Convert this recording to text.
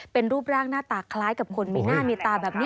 เป็นรูปร่างหน้าตาคล้ายกับคนมีหน้ามีตาแบบนี้